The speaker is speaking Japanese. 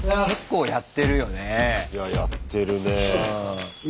いややってるね。